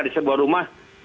di sebuah rumah